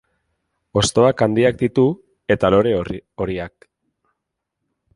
Hostoak handiak ditu, eta lore horiak.